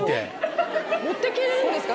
持ってけるんですか？